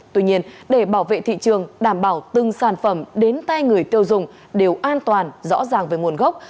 tuy nhiên để bảo vệ thị trường đảm bảo từng sản phẩm đến tay người tiêu dùng đều an toàn rõ ràng về nguồn gốc